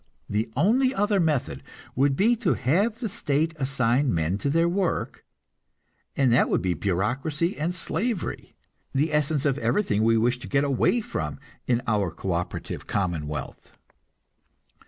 The only other method would be to have the state assign men to their work, and that would be bureaucracy and slavery, the essence of everything we wish to get away from in our co operative commonwealth.